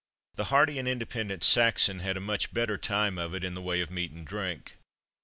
The hardy, independent Saxon, had a much better time of it, in the way of meat and drink.